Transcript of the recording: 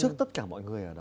trước tất cả mọi người ở đó